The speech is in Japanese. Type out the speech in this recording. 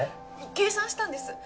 計算したんです